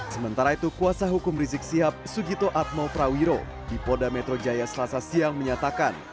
sementara itu kuasa hukum rizik sihab sugito atmo prawiro di polda metro jaya selasa siang menyatakan